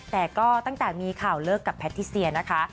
แต่ก็ตั้งแต่มีข่าวเลิกกับแพทิเซียนะคะ